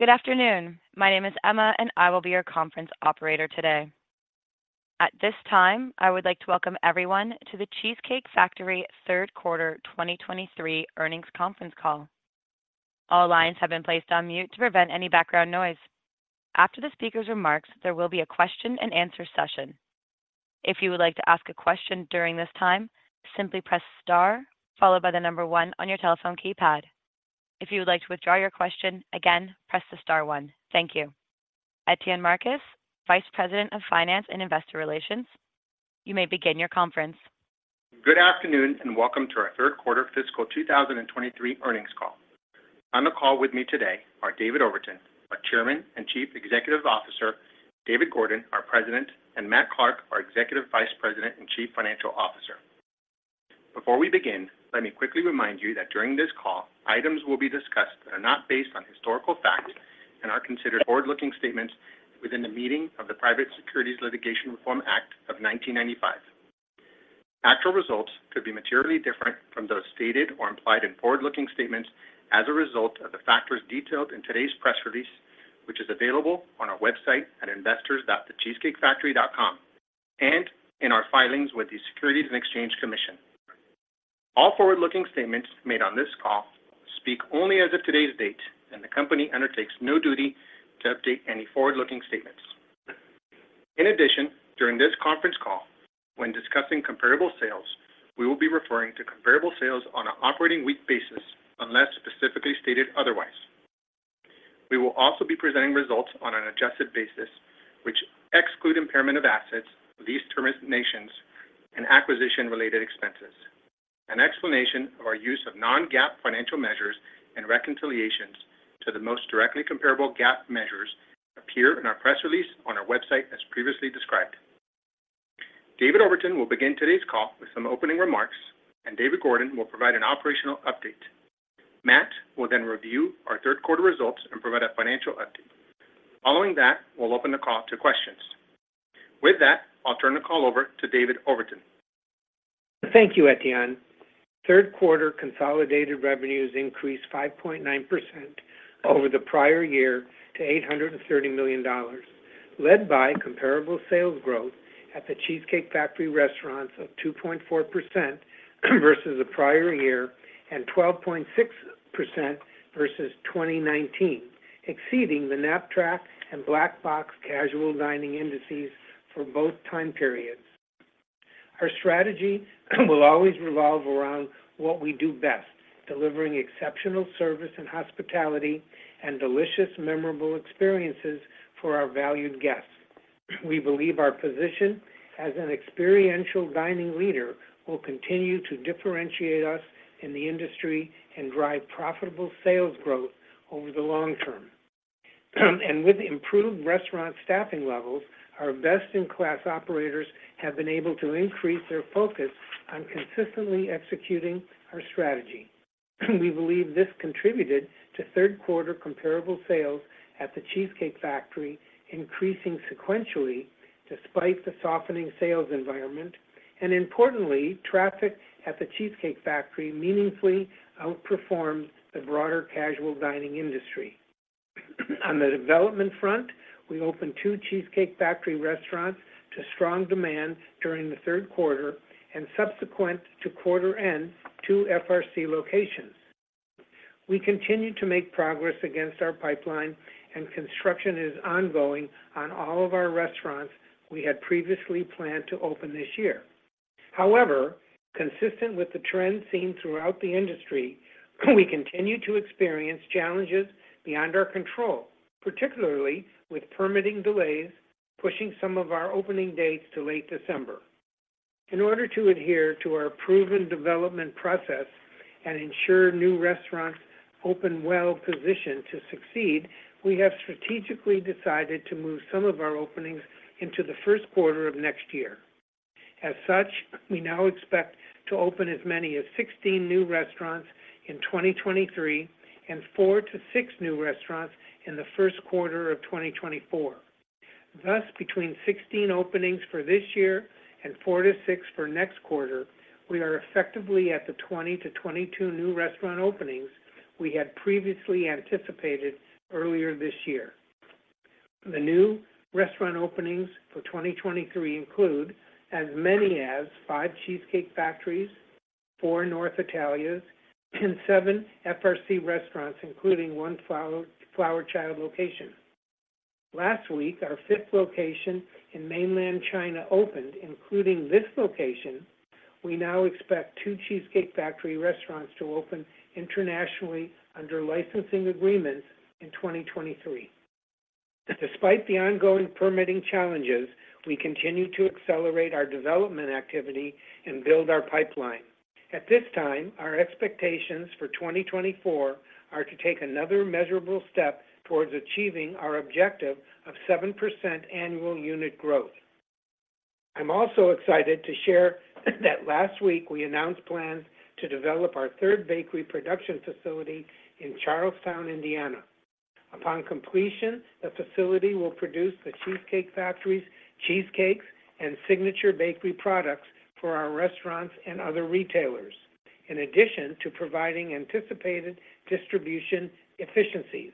Good afternoon. My name is Emma, and I will be your conference operator today. At this time, I would like to welcome everyone to The Cheesecake Factory third quarter 2023 earnings conference call. All lines have been placed on mute to prevent any background noise. After the speaker's remarks, there will be a question-and-answer session. If you would like to ask a question during this time, simply press star, followed by the number one on your telephone keypad. If you would like to withdraw your question again, press the star one. Thank youAs we have Marcus, Vice President of Finance and Investor Relations, you may begin your conference. Good afternoon, and welcome to our third quarter fiscal 2023 earnings call. On the call with me today are David Overton, our Chairman and Chief Executive Officer, David Gordon, our President, and Matt Clark, our Executive Vice President and Chief Financial Officer. Before we begin, let me quickly remind you that during this call, items will be discussed that are not based on historical facts and are considered forward-looking statements within the meaning of the Private Securities Litigation Reform Act of 1995. Actual results could be materially different from those stated or implied in forward-looking statements as a result of the factors detailed in today's press release, which is available on our website at investors.thecheesecakefactory.com, and in our filings with the Securities and Exchange Commission. All forward-looking statements made on this call speak only as of today's date, and the company undertakes no duty to update any forward-looking statements. In addition, during this conference call, when discussing comparable sales, we will be referring to comparable sales on an operating week basis unless specifically stated otherwise. We will also be presenting results on an adjusted basis, which exclude impairment of assets, lease terminations, and acquisition-related expenses. An explanation of our use of non-GAAP financial measures and reconciliations to the most directly comparable GAAP measures appear in our press release on our website, as previously described. David Overton will begin today's call with some opening remarks, and David Gordon will provide an operational update. Matt will then review our third quarter results and provide a financial update. Following that, we'll open the call to questions. With that, I'll turn the call over to David Overton. Thank you, As we have. Third quarter consolidated revenues increased 5.9% over the prior year to $830 million, led by comparable sales growth at the Cheesecake Factory restaurants of 2.4% versus the prior year and 12.6% versus 2019, exceeding the Knapp-Track and Black Box casual dining indices for both time periods. Our strategy will always revolve around what we do best, delivering exceptional service and hospitality and delicious, memorable experiences for our valued guests. We believe our position as an experiential dining leader will continue to differentiate us in the industry and drive profitable sales growth over the long term. And with improved restaurant staffing levels, our best-in-class operators have been able to increase their focus on consistently executing our strategy. We believe this contributed to third quarter comparable sales at the Cheesecake Factory, increasing sequentially despite the softening sales environment, and importantly, traffic at the Cheesecake Factory meaningfully outperformed the broader casual dining industry. On the development front, we opened two Cheesecake Factory restaurants to strong demand during the third quarter and subsequent to quarter end, two FRC locations. We continue to make progress against our pipeline, and construction is ongoing on all of our restaurants we had previously planned to open this year. However, consistent with the trend seen throughout the industry, we continue to experience challenges beyond our control, particularly with permitting delays, pushing some of our opening dates to late December. In order to adhere to our proven development process and ensure new restaurants open well positioned to succeed, we have strategically decided to move some of our openings into the first quarter of next year. As such, we now expect to open as many as 16 new restaurants in 2023 and four to six new restaurants in the first quarter of 2024. Thus, between 16 openings for this year and four-six for next quarter, we are effectively at the 20-22 new restaurant openings we had previously anticipated earlier this year. The new restaurant openings for 2023 include as many as five Cheesecake Factories, four North Italia, and seven FRC restaurants, including one Flower Child location. Last week, our fifth location in mainland China opened. Including this location, we now expect two Cheesecake Factory restaurants to open internationally under licensing agreements in 2023. Despite the ongoing permitting challenges, we continue to accelerate our development activity and build our pipeline. At this time, our expectations for 2024 are to take another measurable step towards achieving our objective of 7% annual unit growth. I'm also excited to share that last week we announced plans to develop our third bakery production facility in Charlestown, Indiana. Upon completion, the facility will produce The Cheesecake Factory's cheesecakes and signature bakery products for our restaurants and other retailers. In addition to providing anticipated distribution efficiencies.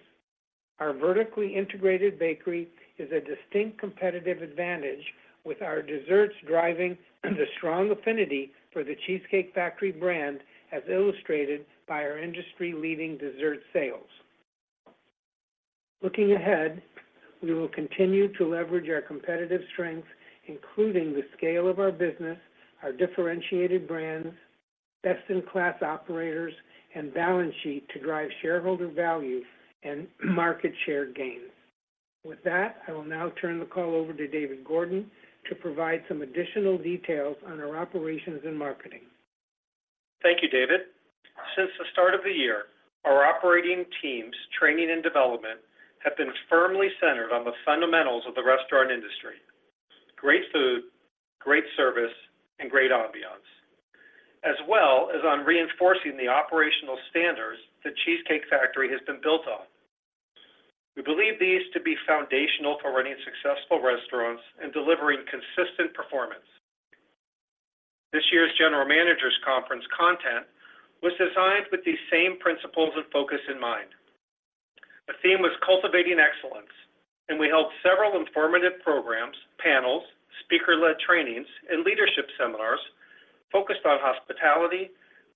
Our vertically integrated bakery is a distinct competitive advantage, with our desserts driving the strong affinity for The Cheesecake Factory brand, as illustrated by our industry-leading dessert sales. Looking ahead, we will continue to leverage our competitive strengths, including the scale of our business, our differentiated brands, best-in-class operators, and balance sheet to drive shareholder value and market share gains. With that, I will now turn the call over to David Gordon to provide some additional details on our operations and marketing. Thank you, David. Since the start of the year, our operating teams' training and development have been firmly centered on the fundamentals of the restaurant industry: great food, great service, and great ambiance, as well as on reinforcing the operational standards The Cheesecake Factory has been built on. We believe these to be foundational for running successful restaurants and delivering consistent performance. This year's General Managers Conference content was designed with these same principles and focus in mind. The theme was Cultivating Excellence, and we held several informative programs, panels, speaker-led trainings, and leadership seminars focused on hospitality,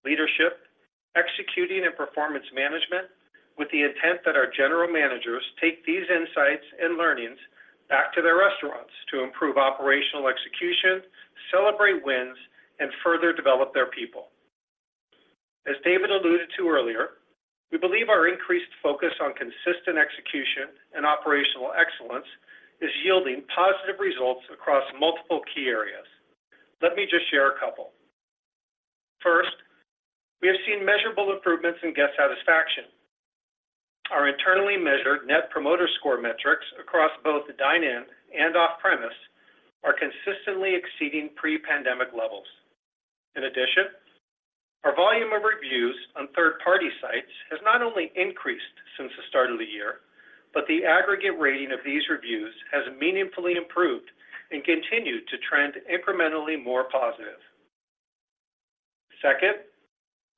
leadership, executing, and performance management, with the intent that our general managers take these insights and learnings back to their restaurants to improve operational execution, celebrate wins, and further develop their people. As David alluded to earlier, we believe our increased focus on consistent execution and operational excellence is yielding positive results across multiple key areas. Let me just share a couple. First, we have seen measurable improvements in guest satisfaction. Our internally measured Net Promoter Score metrics across both the dine-in and off-premise are consistently exceeding pre-pandemic levels. In addition, our volume of reviews on third-party sites has not only increased since the start of the year, but the aggregate rating of these reviews has meaningfully improved and continued to trend incrementally more positive. Second,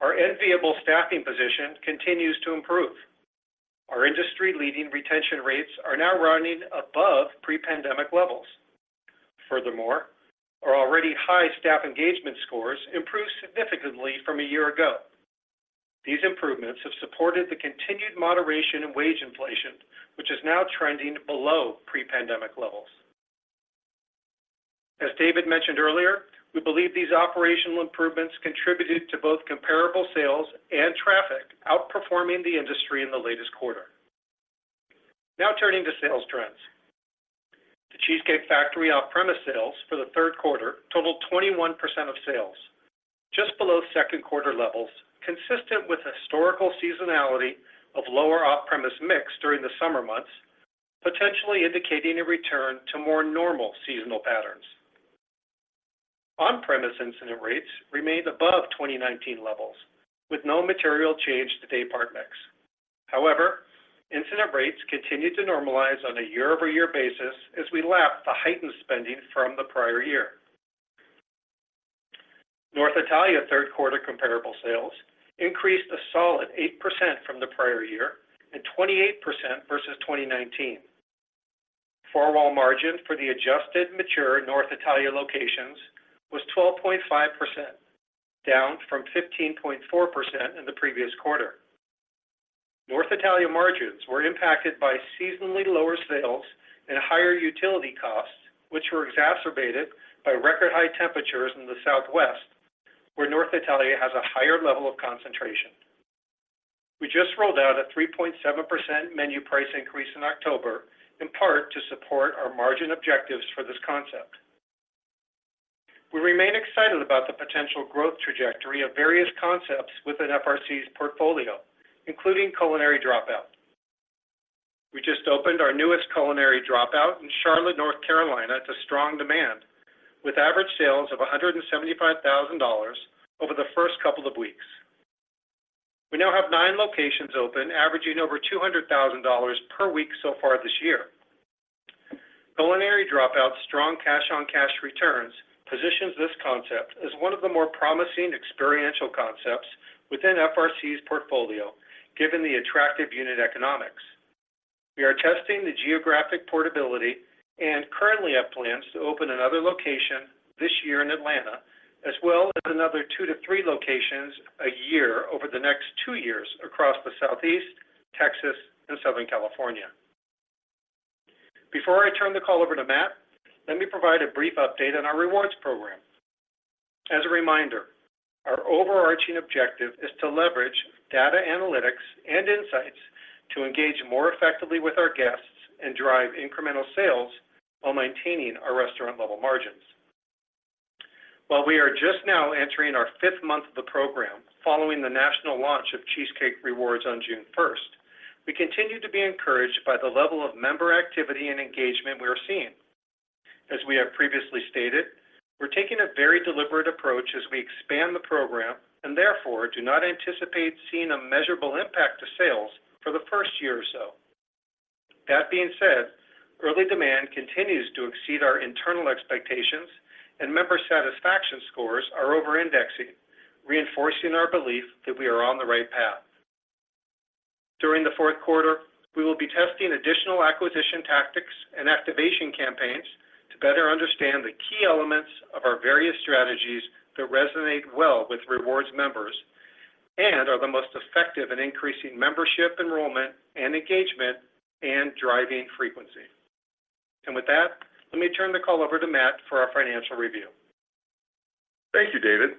our enviable staffing position continues to improve. Our industry-leading retention rates are now running above pre-pandemic levels. Furthermore, our already high staff engagement scores improved significantly from a year ago. These improvements have supported the continued moderation in wage inflation, which is now trending below pre-pandemic levels. As David mentioned earlier, we believe these operational improvements contributed to both comparable sales and traffic, outperforming the industry in the latest quarter. Now, turning to sales trends. The Cheesecake Factory off-premise sales for the third quarter totaled 21% of sales, just below second quarter levels, consistent with historical seasonality of lower off-premise mix during the summer months, potentially indicating a return to more normal seasonal patterns. On-premise incident rates remained above 2019 levels, with no material change to daypart mix. However, incident rates continued to normalize on a year-over-year basis as we lapped the heightened spending from the prior year. North Italia third quarter comparable sales increased a solid 8% from the prior year and 28% versus 2019. four-wall margin for the adjusted mature North Italia locations was 12.5%, down from 15.4% in the previous quarter. North Italia margins were impacted by seasonally lower sales and higher utility costs, which were exacerbated by record high temperatures in the Southwest, where North Italia has a higher level of concentration. We just rolled out a 3.7% menu price increase in October, in part to support our margin objectives for this concept. We remain excited about the potential growth trajectory of various concepts within FRC's portfolio, including Culinary Dropout. We just opened our newest Culinary Dropout in Charlotte, North Carolina, to strong demand, with average sales of $175,000 over the first couple of weeks. We now have nine locations open, averaging over $200,000 per week so far this year. Culinary Dropout's strong cash-on-cash returns positions this concept as one of the more promising experiential concepts within FRC's portfolio, given the attractive unit economics. We are testing the geographic portability and currently have plans to open another location this year in Atlanta, as well as another two -three locations a year over the next two years across the Southeast, Texas, and Southern California. Before I turn the call over to Matt, let me provide a brief update on our rewards program. As a reminder, our overarching objective is to leverage data analytics and insights to engage more effectively with our guests and drive incremental sales while maintaining our restaurant level margins. While we are just now entering our fifth month of the program following the national launch of Cheesecake Rewards on June first, we continue to be encouraged by the level of member activity and engagement we are seeing. As we have previously stated, we're taking a very deliberate approach as we expand the program and therefore do not anticipate seeing a measurable impact to sales for the first year or so... That being said, early demand continues to exceed our internal expectations, and member satisfaction scores are over-indexing, reinforcing our belief that we are on the right path. During the fourth quarter, we will be testing additional acquisition tactics and activation campaigns to better understand the key elements of our various strategies that resonate well with rewards members and are the most effective in increasing membership, enrollment, and engagement, and driving frequency. With that, let me turn the call over to Matt for our financial review. Thank you, David.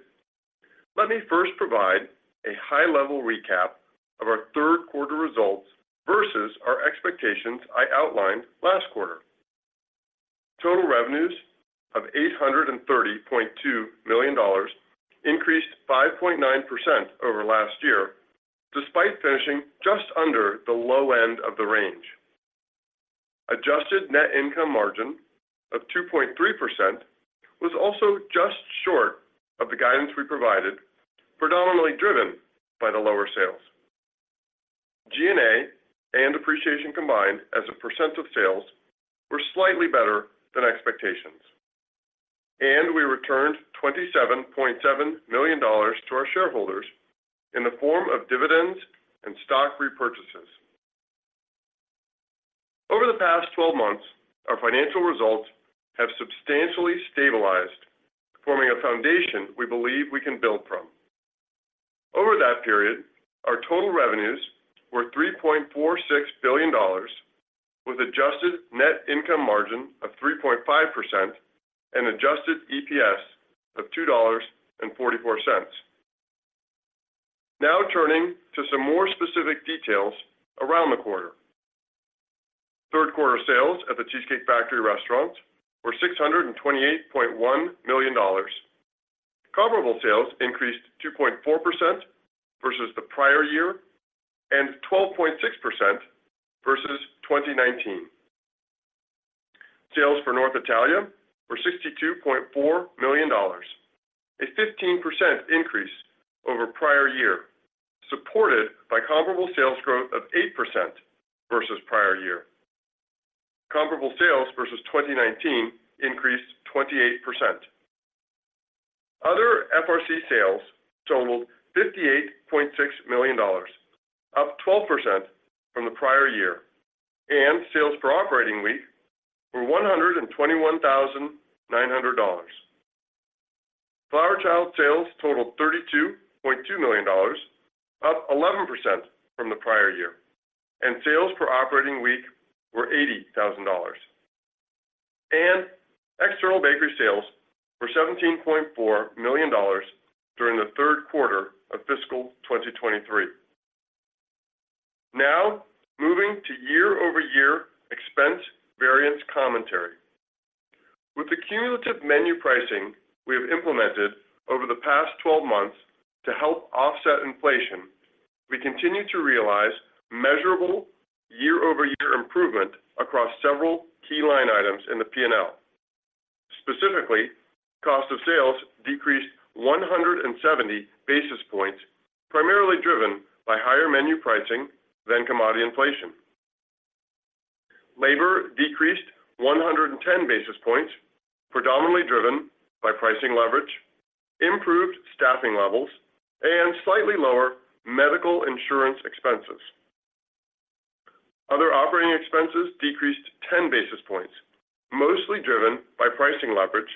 Let me first provide a high-level recap of our third quarter results versus our expectations I outlined last quarter. Total revenues of $830.2 million increased 5.9% over last year, despite finishing just under the low end of the range. Adjusted net income margin of 2.3% was also just short of the guidance we provided, predominantly driven by the lower sales. G&A and depreciation combined as a percent of sales were slightly better than expectations, and we returned $27.7 million to our shareholders in the form of dividends and stock repurchases. Over the past twelve months, our financial results have substantially stabilized, forming a foundation we believe we can build from. Over that period, our total revenues were $3.46 billion, with Adjusted Net Income Margin of 3.5% and adjusted EPS of $2.44. Now turning to some more specific details around the quarter. Third quarter sales at The Cheesecake Factory restaurants were $628.1 million. Comparable Sales increased 2.4% versus the prior year, and 12.6% versus 2019. Sales for North Italia were $62.4 million, a 15% increase over prior year, supported by Comparable Sales growth of 8% versus prior year. Comparable Sales versus 2019 increased 28%. Other FRC sales totaled $58.6 million, up 12% from the prior year, and sales per operating week were $121,900. Flower Child sales totaled $32.2 million, up 11% from the prior year, and sales per operating week were $80,000. External bakery sales were $17.4 million during the third quarter of fiscal 2023. Now, moving to year-over-year expense variance commentary. With the cumulative menu pricing we have implemented over the past 12 months to help offset inflation, we continue to realize measurable year-over-year improvement across several key line items in the P&L. Specifically, cost of sales decreased 170 basis points, primarily driven by higher menu pricing than commodity inflation. Labor decreased 110 basis points, predominantly driven by pricing leverage, improved staffing levels, and slightly lower medical insurance expenses. Other operating expenses decreased 10 basis points, mostly driven by pricing leverage,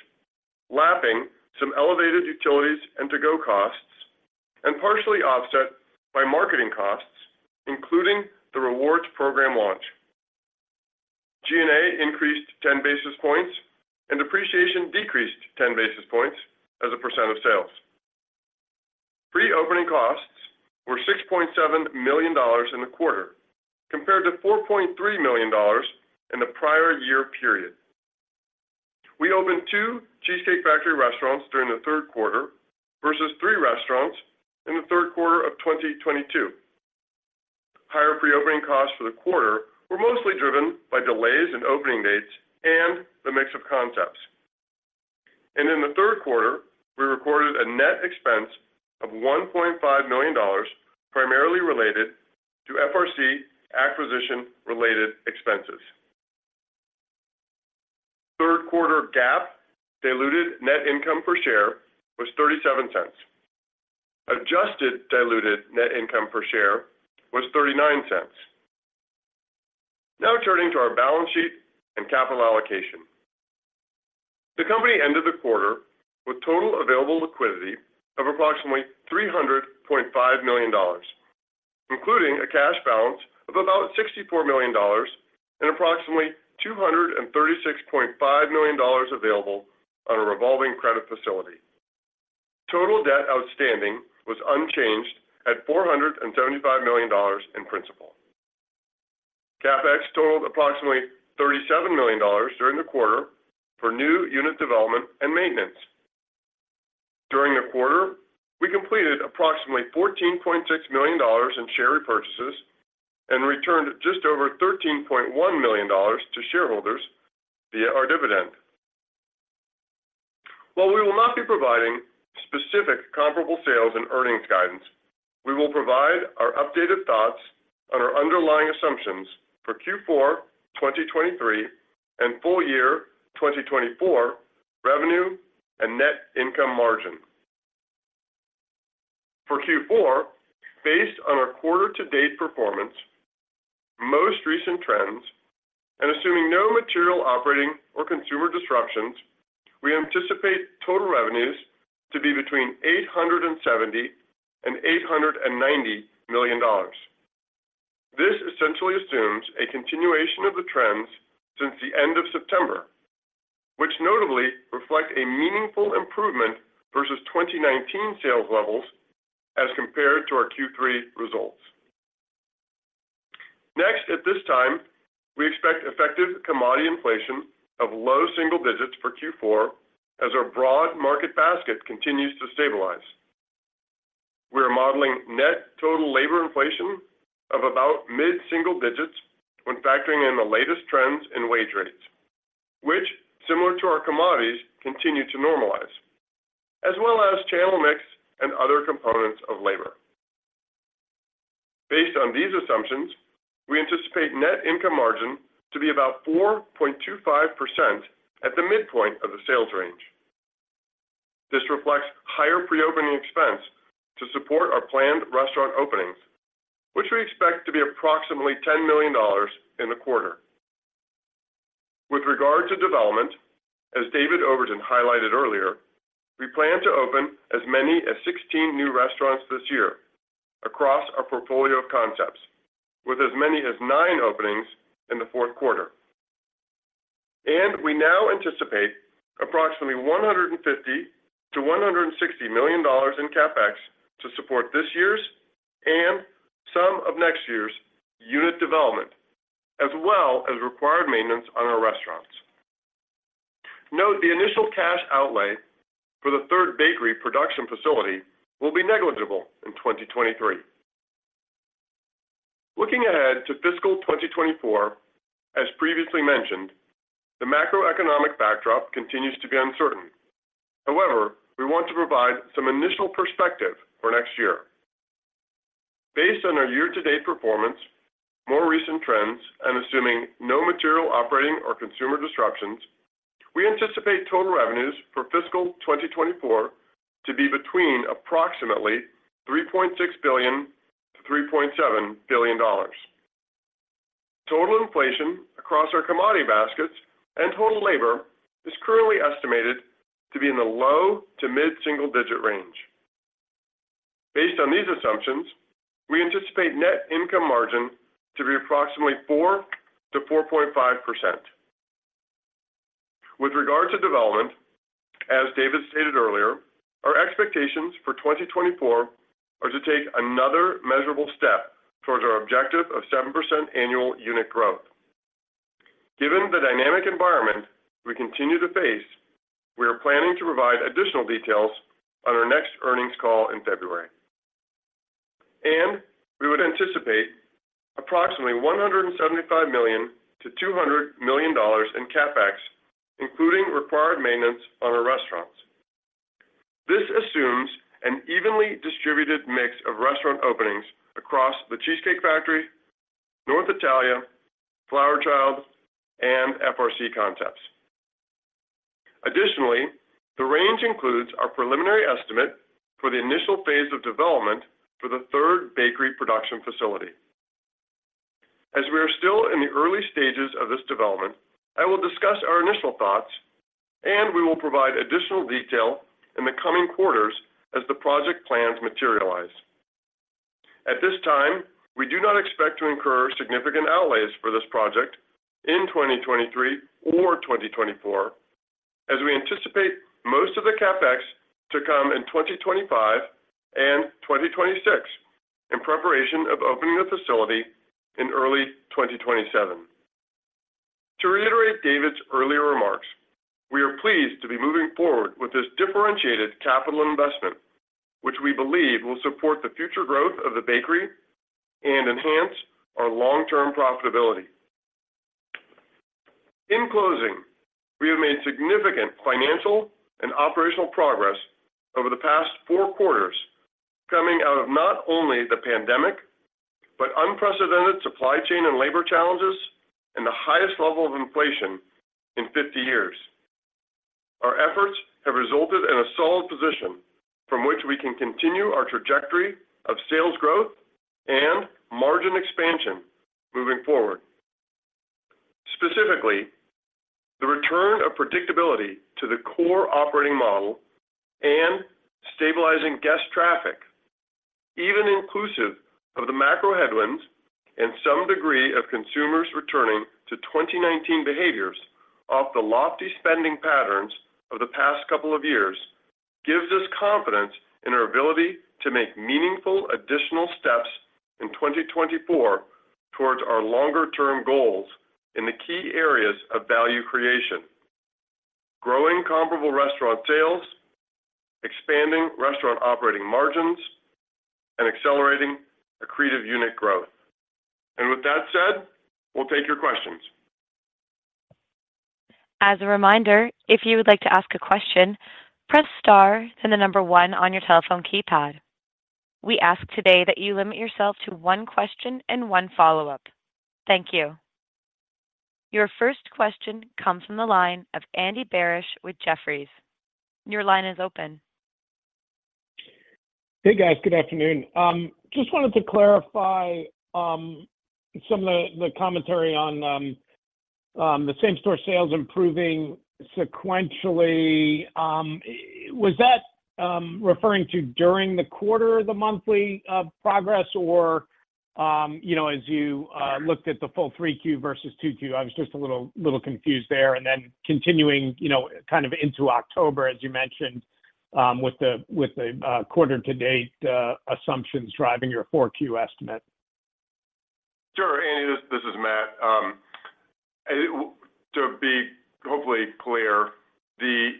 lapping some elevated utilities and to-go costs, and partially offset by marketing costs, including the rewards program launch. G&A increased 10 basis points, and depreciation decreased 10 basis points as a percent of sales. Pre-opening costs were $6.7 million in the quarter, compared to $4.3 million in the prior year period. We opened two Cheesecake Factory restaurants during the third quarter versus three restaurants in the third quarter of 2022. Higher pre-opening costs for the quarter were mostly driven by delays in opening dates and the mix of concepts. In the third quarter, we recorded a net expense of $1.5 million, primarily related to FRC acquisition-related expenses. Third quarter GAAP diluted net income per share was $0.37. Adjusted diluted net income per share was $0.39. Now turning to our balance sheet and capital allocation. The company ended the quarter with total available liquidity of approximately $300.5 million, including a cash balance of about $64 million and approximately $236.5 million available on a revolving credit facility. Total debt outstanding was unchanged at $475 million in principal. CapEx totaled approximately $37 million during the quarter for new unit development and maintenance. During the quarter, we completed approximately $14.6 million in share repurchases and returned just over $13.1 million to shareholders via our dividend. While we will not be providing specific comparable sales and earnings guidance, we will provide our updated thoughts on our underlying assumptions for fourth quarter 2023 and full year 2024 revenue and net income margin. For fourth quarter, based on our quarter to date performance, most recent trends, and assuming no material operating or consumer disruptions, we anticipate total revenues to be between $870 million and $890 million. This essentially assumes a continuation of the trends since the end of September, which notably reflect a meaningful improvement versus 2019 sales levels as compared to our third quarter results. Next, at this time, we expect effective commodity inflation of low single digits for fourth quarter as our broad market basket continues to stabilize. We are modeling net total labor inflation of about mid single digits when factoring in the latest trends in wage rates, which, similar to our commodities, continue to normalize, as well as channel mix and other components of labor. Based on these assumptions, we anticipate net income margin to be about 4.25% at the midpoint of the sales range. This reflects higher pre-opening expense to support our planned restaurant openings, which we expect to be approximately $10 million in the quarter. With regard to development, as David Overton highlighted earlier, we plan to open as many as 16 new restaurants this year across our portfolio of concepts, with as many as nine openings in the fourth quater. We now anticipate approximately $150 million-$160 million in CapEx to support this year's and some of next year's unit development, as well as required maintenance on our restaurants. Note, the initial cash outlay for the third bakery production facility will be negligible in 2023. Looking ahead to fiscal 2024, as previously mentioned, the macroeconomic backdrop continues to be uncertain. However, we want to provide some initial perspective for next year. Based on our year-to-date performance, more recent trends, and assuming no material operating or consumer disruptions, we anticipate total revenues for fiscal 2024 to be between approximately $3.6 billion-$3.7 billion. Total inflation across our commodity baskets and total labor is currently estimated to be in the low-to-mid single-digit range. Based on these assumptions, we anticipate net income margin to be approximately 4%-4.5%. With regard to development, as David stated earlier, our expectations for 2024 are to take another measurable step towards our objective of 7% annual unit growth. Given the dynamic environment we continue to face, we are planning to provide additional details on our next earnings call in February, and we would anticipate approximately $175 million-$200 million in CapEx, including required maintenance on our restaurants. This assumes an evenly distributed mix of restaurant openings across the Cheesecake Factory, North Italia, Flower Child, and FRC concepts. Additionally, the range includes our preliminary estimate for the initial phase of development for the third bakery production facility. As we are still in the early stages of this development, I will discuss our initial thoughts and we will provide additional detail in the coming quarters as the project plans materialize. At this time, we do not expect to incur significant outlays for this project in 2023 or 2024, as we anticipate most of the CapEx to come in 2025 and 2026, in preparation of opening the facility in early 2027. To reiterate David's earlier remarks, we are pleased to be moving forward with this differentiated capital investment, which we believe will support the future growth of the bakery and enhance our long-term profitability. In closing, we have made significant financial and operational progress over the past four quarters, coming out of not only the pandemic, but unprecedented supply chain and labor challenges and the highest level of inflation in 50 years. Our efforts have resulted in a solid position from which we can continue our trajectory of sales growth and margin expansion moving forward. Specifically, the return of predictability to the core operating model and stabilizing guest traffic, even inclusive of the macro headwinds and some degree of consumers returning to 2019 behaviors off the lofty spending patterns of the past couple of years, gives us confidence in our ability to make meaningful additional steps in 2024 towards our longer term goals in the key areas of value creation, growing comparable restaurant sales, expanding restaurant operating margins and accelerating accretive unit growth. And with that said, we'll take your questions. As a reminder, if you would like to ask a question, press star, then the number 1 on your telephone keypad. We ask today that you limit yourself to one question and one follow-up. Thank you. Your first question comes from the line of Andy Barish with Jefferies. Your line is open. Hey, guys. Good afternoon. Just wanted to clarify some of the commentary on the same-store sales improving sequentially. Was that referring to during the quarter, the monthly progress, or, you know, as you looked at the full three Q versus two Q? I was just a little confused there. And then continuing, you know, kind of into October, as you mentioned, with the quarter-to-date assumptions driving your four Q estimate. Sure, Andy, this is Matt. To be hopefully clear, the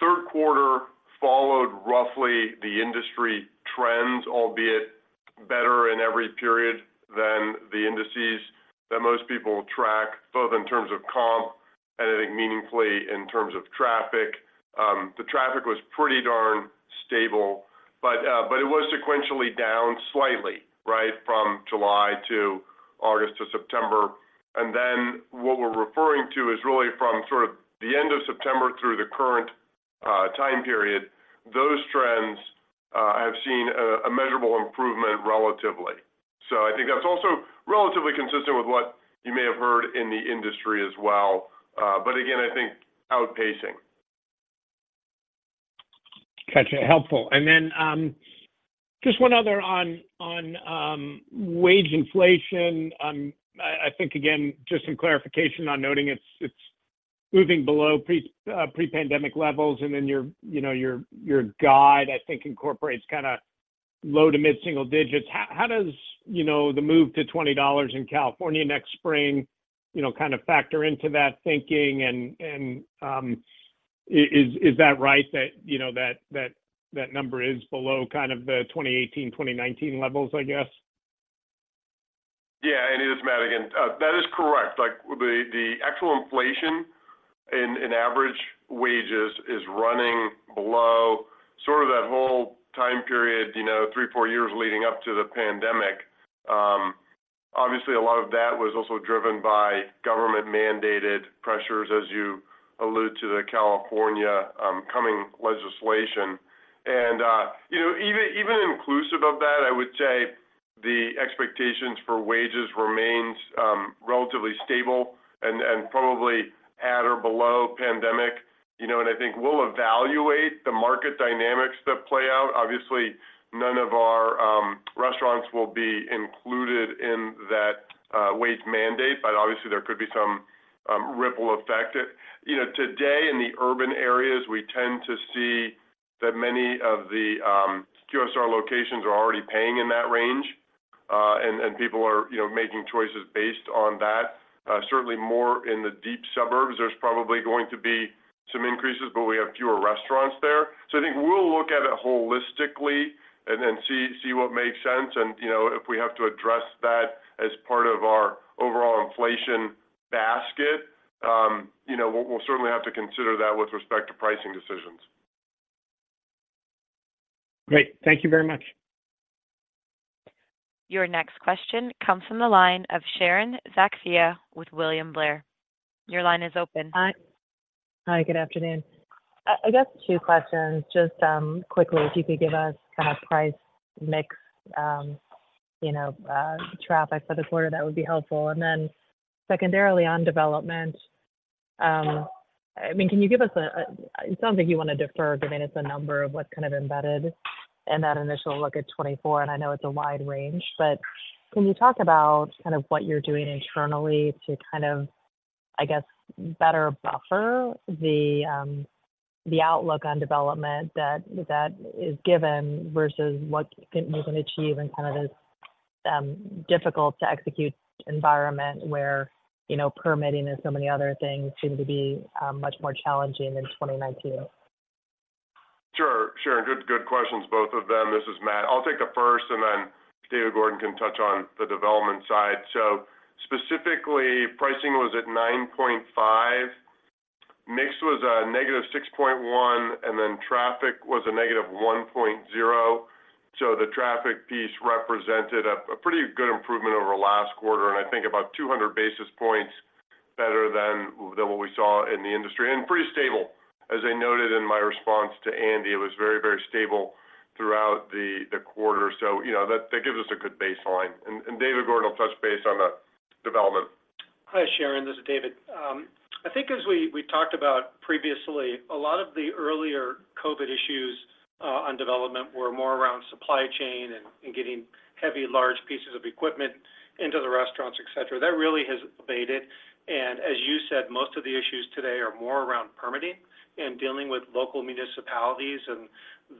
third quarter followed roughly the industry trends, albeit better in every period than the indices that most people track, both in terms of comp and I think meaningfully in terms of traffic. The traffic was pretty darn stable, but it was sequentially down slightly, right, from July to August to September. And then what we're referring to is really from sort of the end of September through the current time period. Those trends have seen a measurable improvement relatively. So I think that's also relatively consistent with what you may have heard in the industry as well, but again, I think outpacing. Got you. Helpful. And then, just one other on, on, wage inflation. I think, again, just some clarification on noting it's, it's moving below pre, pre-pandemic levels, and then your, you know, your, your guide, I think, incorporates kinda low to mid-single digits. How, how does, you know, the move to $20 in California next spring, you know, kind of factor into that thinking? And, and, is, is, is that right that, you know, that, that, that number is below kind of the 2018, 2019 levels, I guess? Yeah, Andy, this is Matt again. That is correct. Like, the actual inflation in average wages is running below sort of that whole time period, you know, three years-four years leading up to the pandemic. Obviously, a lot of that was also driven by government-mandated pressures, as you allude to the California coming legislation. And, you know, even inclusive of that, I would say the expectations for wages remains relatively stable and probably at or below pandemic. You know, and I think we'll evaluate the market dynamics that play out. Obviously, none of our restaurants will be included in that wage mandate, but obviously, there could be some ripple effect. You know, today, in the urban areas, we tend to see that many of the QSR locations are already paying in that range, and people are, you know, making choices based on that. Certainly more in the deep suburbs, there's probably going to be some increases, but we have fewer restaurants there. So I think we'll look at it holistically and then see what makes sense. And, you know, if we have to address that as part of our overall inflation basket, you know, we'll certainly have to consider that with respect to pricing decisions. Great. Thank you very much. Your next question comes from the line of Sharon Zackfia with William Blair. Your line is open. Hi. Hi, good afternoon. I guess two questions. Just, quickly, if you could give us kind of price, mix, you know, traffic for the quarter, that would be helpful. And then secondarily, on development, I mean, can you give us a... It sounds like you want to defer giving us a number of what's kind of embedded in that initial look at 2024, and I know it's a wide range. But can you talk about kind of what you're doing internally to kind of, I guess, better buffer the, the outlook on development that, that is given versus what you can achieve in kind of this, difficult-to-execute environment where, you know, permitting and so many other things seem to be, much more challenging than 2019? Sure, sure. Good, good questions, both of them. This is Matt. I'll take the first, and then David Gordon can touch on the development side. So specifically, pricing was at 9.5, mix was a -6.1, and then traffic was a -1.0. So the traffic piece represented a pretty good improvement over last quarter, and I think about 200 basis points better than what we saw in the industry, and pretty stable. As I noted in my response to Andy, it was very, very stable throughout the quarter. So, you know, that gives us a good baseline. And David Gordon will touch base on the development. Hi, Sharon, this is David. I think as we talked about previously, a lot of the earlier COVID issues on development were more around supply chain and getting heavy, large pieces of equipment into the restaurants, et cetera. That really has abated, and as you said, most of the issues today are more around permitting and dealing with local municipalities, and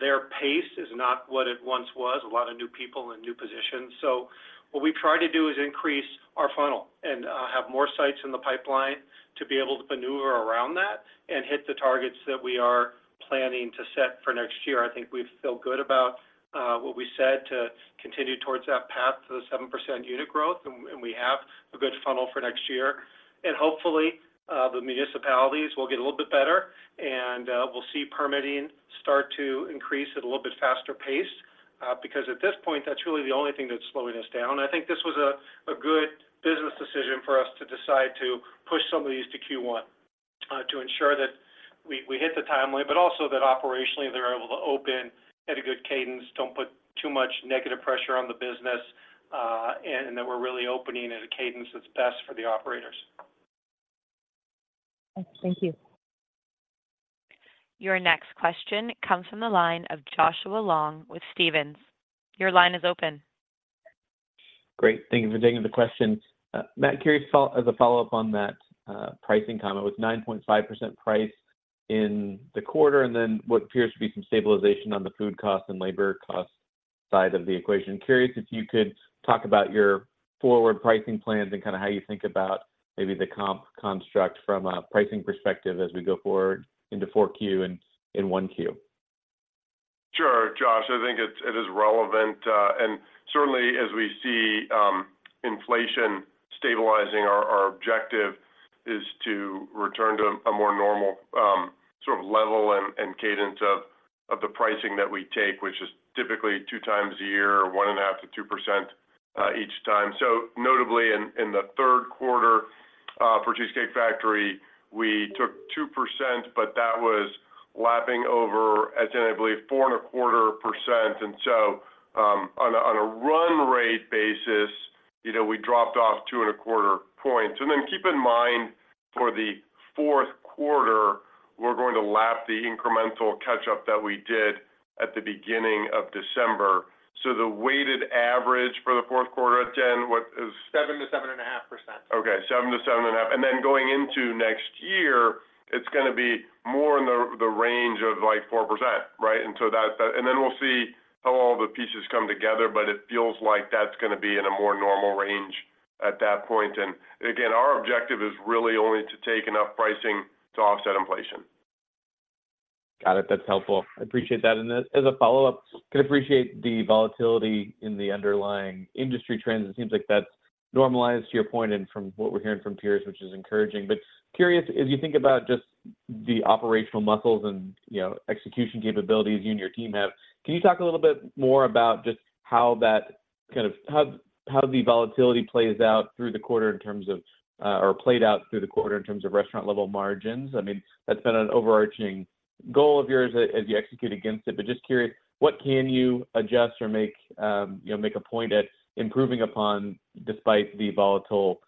their pace is not what it once was. A lot of new people and new positions. So what we've tried to do is increase our funnel and have more sites in the pipeline to be able to maneuver around that and hit the targets that we are planning to set for next year. I think we feel good about what we said to continue towards that path to the 7% unit growth, and we have a good funnel for next year. Hopefully, the municipalities will get a little bit better, and we'll see permitting start to increase at a little bit faster pace, because at this point, that's really the only thing that's slowing us down. I think this was a good business decision for us to decide to push some of these to first quarter, to ensure that we hit the timeline, but also that operationally, they're able to open at a good cadence, don't put too much negative pressure on the business, and that we're really opening at a cadence that's best for the operators. Thank you. Your next question comes from the line of Joshua Long with Stephens. Your line is open. Great. Thank you for taking the question. Matt, curious, as a follow-up on that, pricing comment, with 9.5% price in the quarter, and then what appears to be some stabilization on the food cost and labor cost side of the equation. Curious if you could talk about your forward pricing plans and kinda how you think about maybe the comp construct from a pricing perspective as we go forward into 4Q and in 1Q. Sure, Josh. I think it is relevant, and certainly as we see inflation stabilizing, our objective is to return to a more normal sort of level and cadence of the pricing that we take, which is typically two times a year, or 1.5%-2%, each time. So notably in the third quarter, for Cheesecake Factory, we took 2%, but that was lapping over, as in, I believe, 4.25%. And so, on a run rate basis, you know, we dropped off 2.25 points. And then keep in mind, for the fourth quarter, we're going to lap the incremental catch-up that we did at the beginning of December. So the weighted average for the fourth quarter, Jen, what is- 7%-7.5% Okay, 7%-7.5%. And then going into next year, it's gonna be more in the range of, like, 4%, right? And so that. And then we'll see how all the pieces come together, but it feels like that's gonna be in a more normal range at that point. And again, our objective is really only to take enough pricing to offset inflation. Got it. That's helpful. I appreciate that. And as a follow-up, can appreciate the volatility in the underlying industry trends. It seems like that's normalized to your point and from what we're hearing from peers, which is encouraging. But curious, as you think about just the operational muscles and, you know, execution capabilities you and your team have, can you talk a little bit more about just how the volatility plays out through the quarter in terms of, or played out through the quarter in terms of restaurant level margins? I mean, that's been an overarching goal of yours as you execute against it. But just curious, what can you adjust or make, you know, make a point at improving upon despite the volatile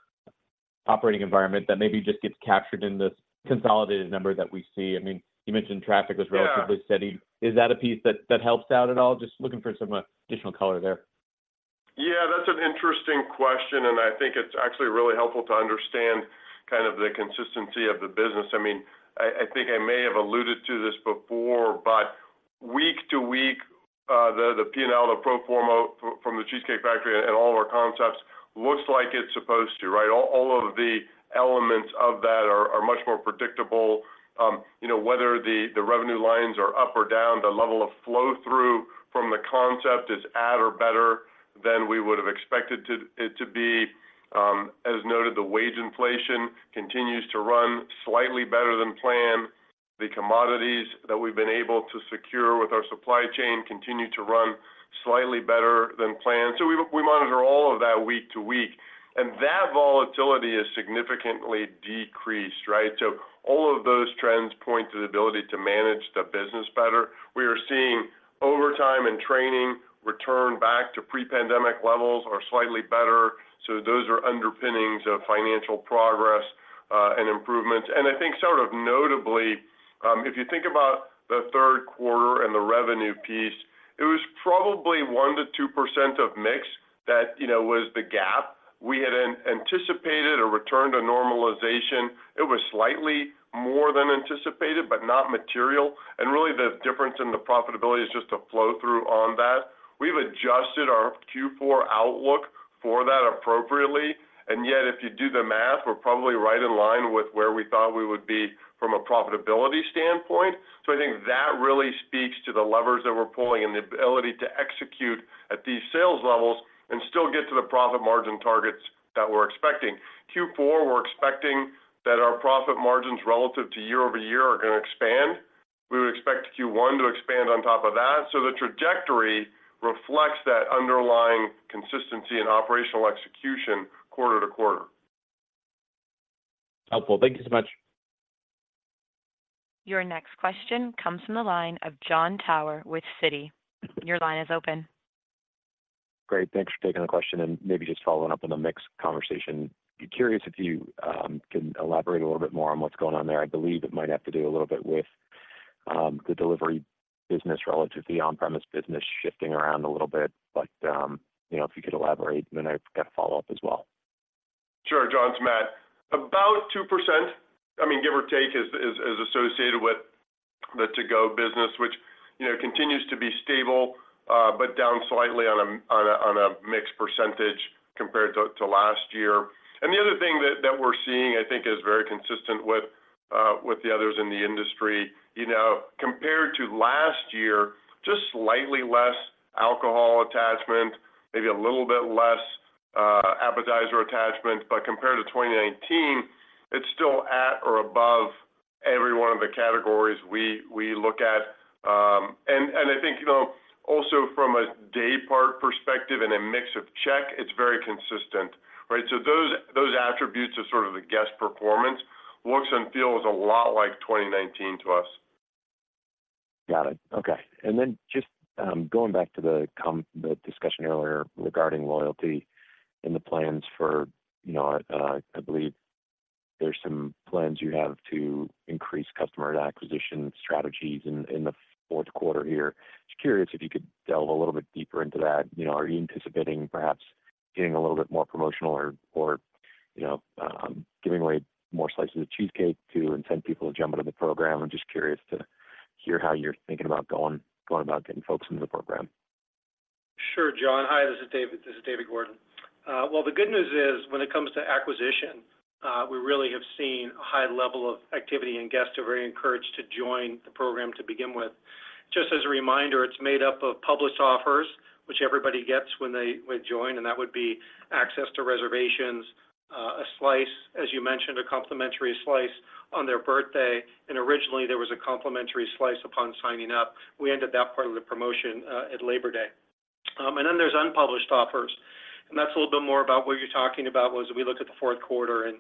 operating environment that maybe just gets captured in this consolidated number that we see? I mean, you mentioned traffic was- Yeah... relatively steady. Is that a piece that, that helps out at all? Just looking for some additional color there. Yeah, that's an interesting question, and I think it's actually really helpful to understand kind of the consistency of the business. I mean, I think I may have alluded to this before, but week to week, the P&L, the pro forma from the Cheesecake Factory and all of our concepts looks like it's supposed to, right? All of the elements of that are much more predictable. You know, whether the revenue lines are up or down, the level of flow-through from the concept is at or better than we would have expected it to be. As noted, the wage inflation continues to run slightly better than planned. The commodities that we've been able to secure with our supply chain continue to run slightly better than planned. We monitor all of that week to week, and that volatility is significantly decreased, right? All of those trends point to the ability to manage the business better. We are seeing overtime and training return back to pre-pandemic levels or slightly better, so those are underpinnings of financial progress, and improvements. I think sort of notably, if you think about the third quarter and the revenue piece, it was probably 1%-2% of mix that, you know, was the gap. We had anticipated a return to normalization. It was slightly more than anticipated, but not material. Really, the difference in the profitability is just a flow-through on that. We've adjusted our fourth quarter outlook for that appropriately, and yet, if you do the math, we're probably right in line with where we thought we would be from a profitability standpoint. So I think that really speaks to the levers that we're pulling and the ability to execute at these sales levels and still get to the profit margin targets that we're expecting. fourth quarter, we're expecting that our profit margins relative to year-over-year are gonna expand. We would expect first quarter to expand on top of that. So the trajectory reflects that underlying consistency and operational execution quarter-over-quarter. Helpful. Thank you so much. Your next question comes from the line of Jon Tower with Citi. Your line is open. Great. Thanks for taking the question and maybe just following up on the mixed conversation. Be curious if you can elaborate a little bit more on what's going on there. I believe it might have to do a little bit with the delivery business relative to the on-premise business shifting around a little bit, but you know, if you could elaborate, then I've got a follow-up as well. Sure, Jon, it's Matt. About 2%, I mean, give or take, is associated with the to-go business, which, you know, continues to be stable, but down slightly on a mixed percentage compared to last year. And the other thing that we're seeing, I think is very consistent with the others in the industry, you know, compared to last year, just slightly less alcohol attachment, maybe a little bit less appetizer attachment, but compared to 2019, it's still at or above every one of the categories we look at. And I think, you know, also from a day part perspective and a mix of check, it's very consistent, right? So those attributes are sort of the guest performance, looks and feels a lot like 2019 to us. Got it. Okay. And then just, going back to the discussion earlier regarding loyalty and the plans for, you know, I believe there's some plans you have to increase customer acquisition strategies in the fourth quarter here. Just curious if you could delve a little bit deeper into that. You know, are you anticipating perhaps getting a little bit more promotional or, or, you know, giving away more slices of cheesecake to incent people to jump into the program? I'm just curious to hear how you're thinking about going about getting folks into the program. Sure, Jon. Hi, this is David, this is David Gordon. Well, the good news is, when it comes to acquisition, we really have seen a high level of activity, and guests are very encouraged to join the program to begin with. Just as a reminder, it's made up of published offers, which everybody gets when they, when they join, and that would be access to reservations, a slice, as you mentioned, a complimentary slice on their birthday, and originally there was a complimentary slice upon signing up. We ended that part of the promotion at Labor Day. And then there's unpublished offers, and that's a little bit more about what you're talking about, was we look at the fourth quarter and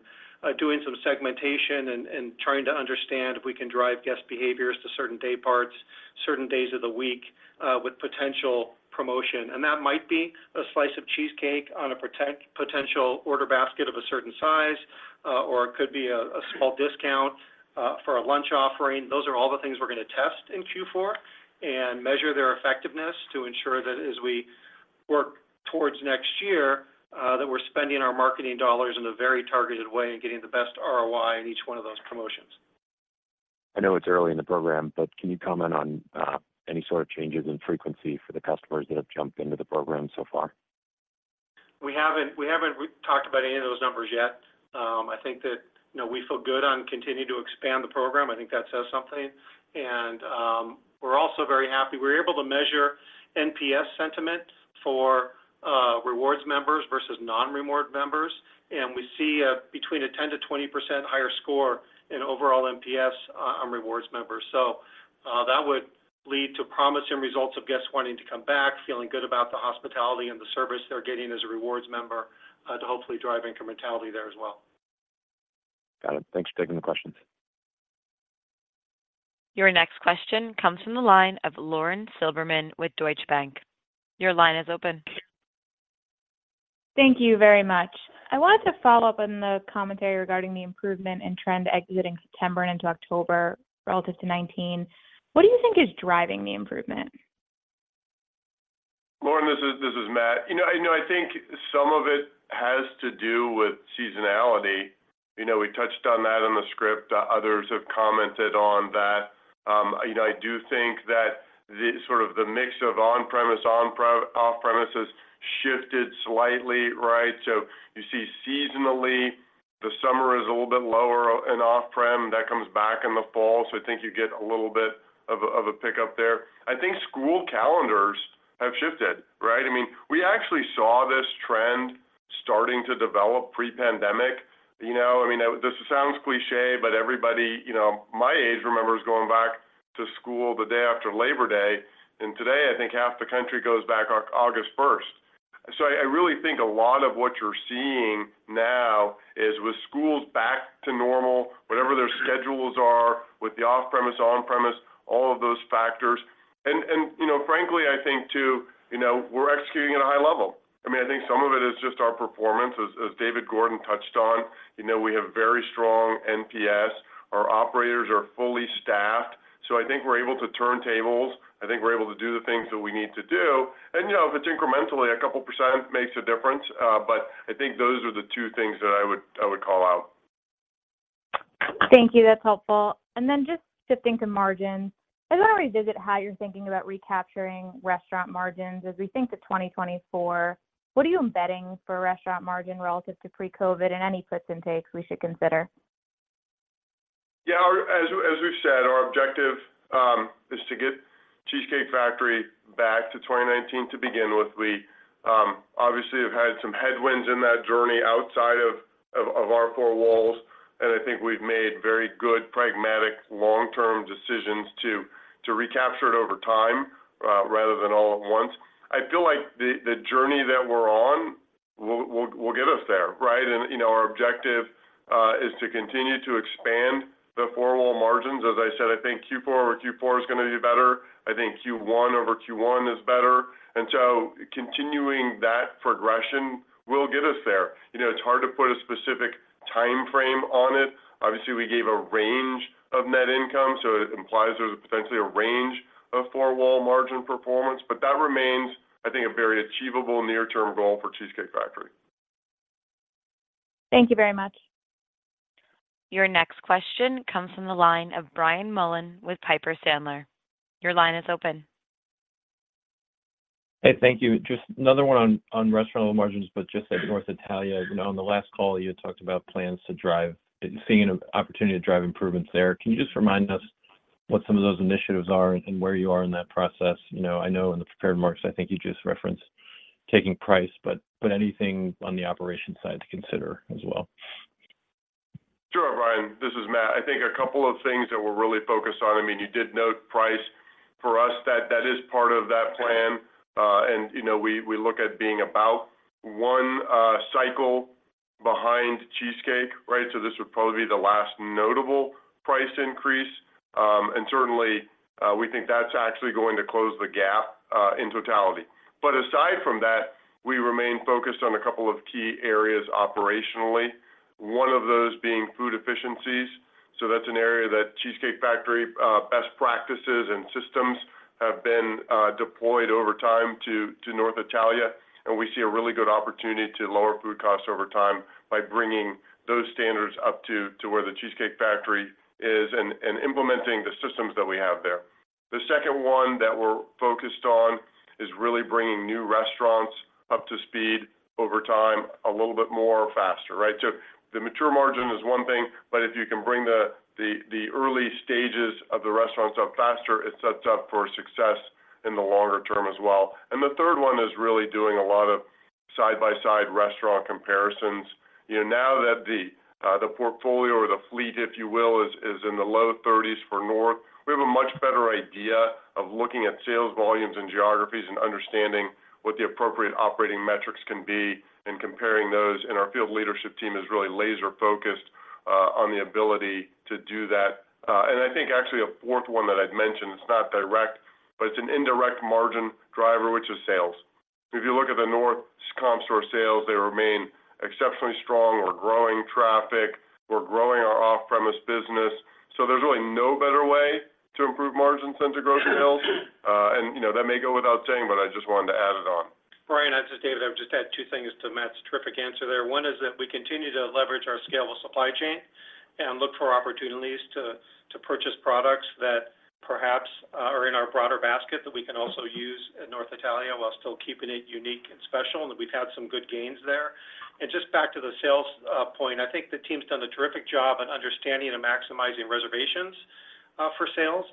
doing some segmentation and trying to understand if we can drive guest behaviors to certain day parts, certain days of the week, with potential promotion. And that might be a slice of cheesecake on a potential order basket of a certain size, or it could be a small discount for a lunch offering. Those are all the things we're gonna test in fourth quarter and measure their effectiveness to ensure that as we work towards next year, that we're spending our marketing dollars in a very targeted way and getting the best ROI in each one of those promotions. I know it's early in the program, but can you comment on any sort of changes in frequency for the customers that have jumped into the program so far? We haven't talked about any of those numbers yet. I think that, you know, we feel good on continuing to expand the program. I think that says something. We're also very happy. We're able to measure NPS sentiment for rewards members versus non-reward members, and we see between a 10%-20% higher score in overall NPS on rewards members. So that would lead to promising results of guests wanting to come back, feeling good about the hospitality and the service they're getting as a rewards member to hopefully drive incrementality there as well. Got it. Thanks for taking the questions. Your next question comes from the line of Lauren Silberman with Deutsche Bank. Your line is open. Thank you very much. I wanted to follow up on the commentary regarding the improvement in trend exiting September and into October relative to 2019. What do you think is driving the improvement? Lauren, this is, this is Matt. You know, I know, I think some of it has to do with seasonality. You know, we touched on that in the script. Others have commented on that. You know, I do think that the, sort of the mix of on-premise, off-premises shifted slightly, right? So you see seasonally, the summer is a little bit lower in off-prem. That comes back in the fall, so I think you get a little bit of a pickup there. I think school calendars have shifted, right? I mean, we actually saw this trend starting to develop pre-pandemic, you know. I mean, this sounds cliché, but everybody, you know, my age remembers going back to school the day after Labor Day, and today, I think half the country goes back August first. So I really think a lot of what you're seeing now is with schools back to normal, whatever their schedules are, with the off-premise, on-premise, all of those factors. And you know, frankly, I think too, you know, we're executing at a high level. I mean, I think some of it is just our performance. As David Gordon touched on, you know, we have very strong NPS. Our operators are fully staffed, so I think we're able to turn tables. I think we're able to do the things that we need to do. And, you know, if it's incrementally, a couple percent makes a difference, but I think those are the two things that I would call out. Thank you. That's helpful. Then just shifting to margins, I want to revisit how you're thinking about recapturing restaurant margins. As we think to 2024, what are you embedding for restaurant margin relative to pre-COVID and any puts and takes we should consider? Yeah, as we've said, our objective is to get Cheesecake Factory back to 2019 to begin with. We obviously have had some headwinds in that journey outside of our four walls, and I think we've made very good, pragmatic, long-term decisions to recapture it over time rather than all at once. I feel like the journey that we're on will get us there, right? And, you know, our objective is to continue to expand the four-wall margins. As I said, I think fourth quarter-over-Q4 is gonna be better. I think first quarter-over-Q1 is better, and so continuing that progression will get us there. You know, it's hard to put a specific time frame on it. Obviously, we gave a range of net income, so it implies there's potentially a range of four-wall margin performance, but that remains, I think, a very achievable near-term goal for Cheesecake Factory.... Thank you very much. Your next question comes from the line of Brian Mullan with Piper Sandler. Your line is open. Hey, thank you. Just another one on restaurant margins, but just at North Italia, you know, on the last call, you had talked about plans to drive, seeing an opportunity to drive improvements there. Can you just remind us what some of those initiatives are and where you are in that process? You know, I know in the prepared remarks, I think you just referenced taking price, but anything on the operation side to consider as well? Sure, Brian, this is Matt. I think a couple of things that we're really focused on, I mean, you did note price. For us, that is part of that plan. And, you know, we look at being about one cycle behind Cheesecake, right? So this would probably be the last notable price increase. And certainly, we think that's actually going to close the gap in totality. But aside from that, we remain focused on a couple of key areas operationally. One of those being food efficiencies, so that's an area that Cheesecake Factory best practices and systems have been deployed over time to North Italia, and we see a really good opportunity to lower food costs over time by bringing those standards up to where the Cheesecake Factory is and implementing the systems that we have there. The second one that we're focused on is really bringing new restaurants up to speed over time, a little bit more faster, right? So the mature margin is one thing, but if you can bring the early stages of the restaurants up faster, it sets up for success in the longer term as well. And the third one is really doing a lot of side-by-side restaurant comparisons. You know, now that the portfolio or the fleet, if you will, is in the low 30s for North, we have a much better idea of looking at sales volumes and geographies and understanding what the appropriate operating metrics can be and comparing those, and our field leadership team is really laser-focused on the ability to do that. And I think actually a fourth one that I'd mention, it's not direct, but it's an indirect margin driver, which is sales. If you look at the North comp store sales, they remain exceptionally strong. We're growing traffic, we're growing our off-premise business, so there's really no better way to improve margins than to grow sales. And, you know, that may go without saying, but I just wanted to add it on. Brian, this is David. I would just add two things to Matt's terrific answer there. One is that we continue to leverage our scalable supply chain and look for opportunities to purchase products that perhaps are in our broader basket that we can also use at North Italia, while still keeping it unique and special, and we've had some good gains there. And just back to the sales point, I think the team's done a terrific job in understanding and maximizing reservations for sales.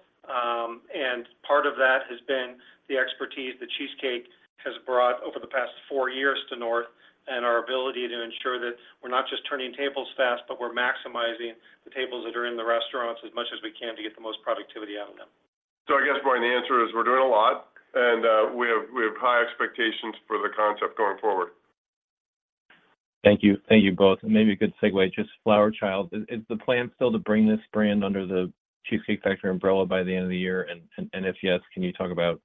And part of that has been the expertise that Cheesecake has brought over the past four years to North, and our ability to ensure that we're not just turning tables fast, but we're maximizing the tables that are in the restaurants as much as we can to get the most productivity out of them. I guess, Brian, the answer is we're doing a lot, and we have high expectations for the concept going forward. Thank you. Thank you both. And maybe a good segue, just Flower Child. Is the plan still to bring this brand under the Cheesecake Factory umbrella by the end of the year? And if yes, can you talk about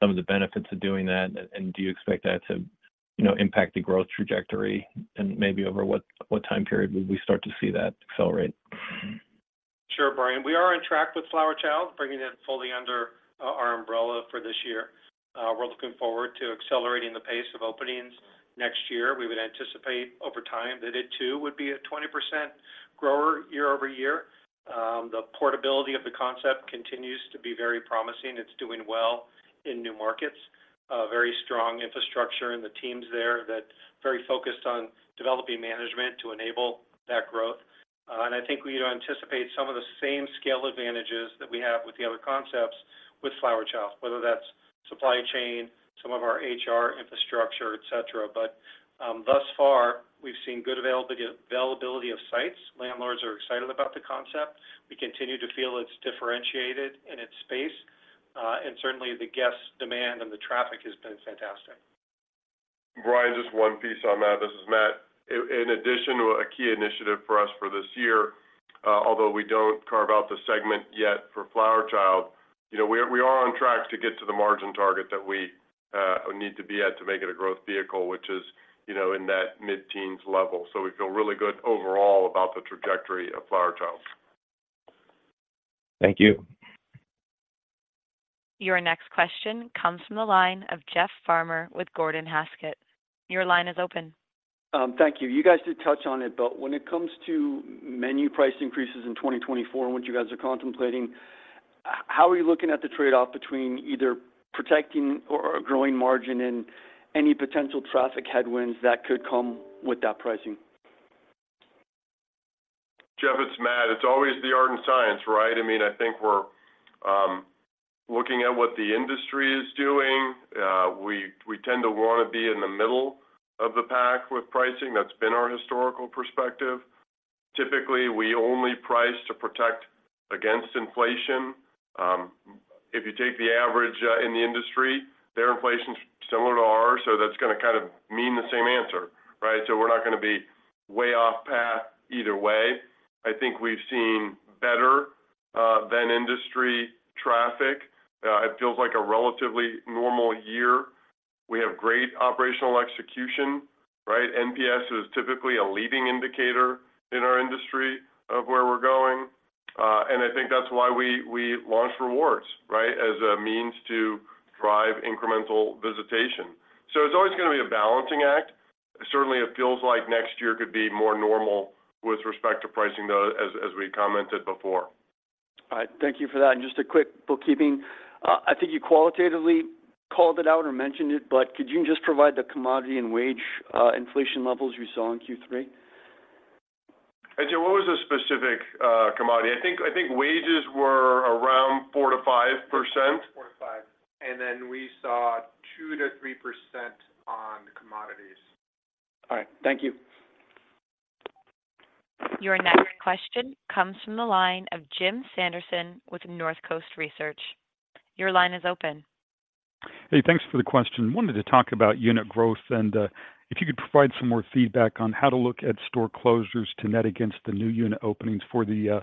some of the benefits of doing that? And do you expect that to, you know, impact the growth trajectory and maybe over what time period would we start to see that accelerate? Sure, Brian. We are on track with Flower Child, bringing it fully under our umbrella for this year. We're looking forward to accelerating the pace of openings next year. We would anticipate over time that it too would be a 20% grower year-over-year. The portability of the concept continues to be very promising. It's doing well in new markets, very strong infrastructure in the teams there that very focused on developing management to enable that growth. And I think we anticipate some of the same scale advantages that we have with the other concepts with Flower Child, whether that's supply chain, some of our HR infrastructure, et cetera. But thus far, we've seen good availability of sites. Landlords are excited about the concept. We continue to feel it's differentiated in its space, and certainly the guest demand and the traffic has been fantastic. Brian, just one piece on that. This is Matt. In addition to a key initiative for us for this year, although we don't carve out the segment yet for Flower Child, you know, we are on track to get to the margin target that we need to be at to make it a growth vehicle, which is, you know, in that mid-teens level. So we feel really good overall about the trajectory of Flower Child. Thank you. Your next question comes from the line of Jeff Farmer with Gordon Haskett. Your line is open. Thank you. You guys did touch on it, but when it comes to menu price increases in 2024 and what you guys are contemplating, how are you looking at the trade-off between either protecting or, or growing margin and any potential traffic headwinds that could come with that pricing? Jeff, it's Matt. It's always the art and science, right? I mean, I think we're looking at what the industry is doing. We tend to want to be in the middle of the pack with pricing. That's been our historical perspective. Typically, we only price to protect against inflation. If you take the average in the industry, their inflation is similar to ours, so that's going to kind of mean the same answer, right? So we're not going to be way off path either way. I think we've seen better than industry traffic. It feels like a relatively normal year. We have great operational execution, right? NPS is typically a leading indicator in our industry of where we're going. And I think that's why we launched rewards, right? As a means to drive incremental visitation. So it's always gonna be a balancing act. Certainly, it feels like next year could be more normal with respect to pricing, though, as we commented before. All right. Thank you for that. And just a quick bookkeeping. I think you qualitatively called it out or mentioned it, but could you just provide the commodity and wage inflation levels you saw in third quarter? Hey, Jim, what was the specific commodity? I think, I think wages were around 4%-5%. four -five. And then we saw 2%-3% on commodities. All right. Thank you. Your next question comes from the line of Jim Sanderson with North Coast Research. Your line is open. Hey, thanks for the question. Wanted to talk about unit growth and, if you could provide some more feedback on how to look at store closures to net against the new unit openings for the,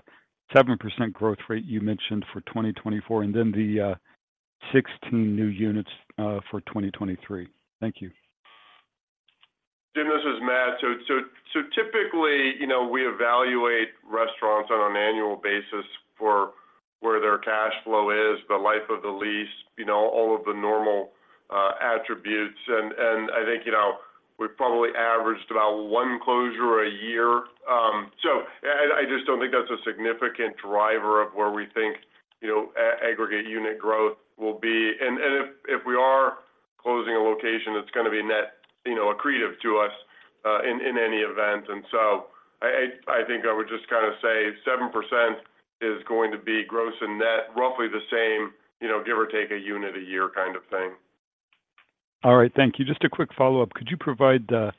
7% growth rate you mentioned for 2024, and then the, 16 new units, for 2023. Thank you. Jim, this is Matt. Typically, you know, we evaluate restaurants on an annual basis for where their cash flow is, the life of the lease, you know, all of the normal attributes. And I think, you know, we've probably averaged about one closure a year. So I just don't think that's a significant driver of where we think, you know, aggregate unit growth will be. And if we are closing a location, it's gonna be net, you know, accretive to us in any event. And so I think I would just kind of say 7% is going to be gross and net, roughly the same, you know, give or take a unit a year kind of thing. All right, thank you. Just a quick follow-up. Could you provide a